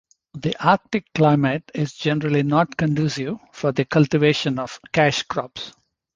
The Arctic climate is generally not conducive for the cultivation of cash crops.